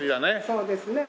そうですね。